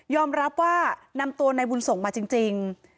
ยอมรับว่านำตัวในบุญส่งมาจริง